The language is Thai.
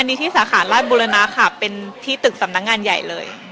อันนี้ที่สาขาราชบุรณะค่ะเป็นที่ตึกสำนักงานใหญ่เลย